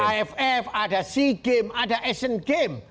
ada aff ada sea game ada asian game